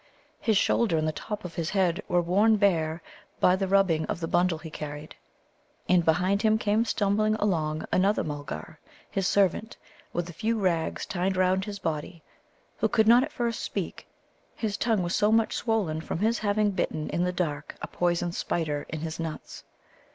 His shoulder and the top of his head were worn bare by the rubbing of the bundle he carried. And behind him came stumbling along another Mulgar, his servant, with a few rags tied round his body, who could not at first speak, his tongue was so much swollen from his having bitten in the dark a poison spider in his nuts.